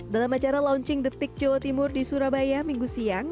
dalam acara launching detik jawa timur di surabaya minggu siang